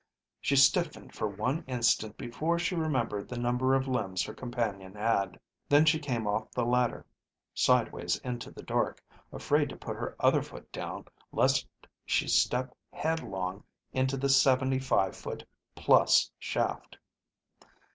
She stiffened for one instant before she remembered the number of limbs her companion had. Then she came off the ladder, sideways into the dark, afraid to put her other foot down lest she step headlong into the seventy five foot plus shaft.